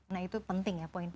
nah itu penting ya poin poin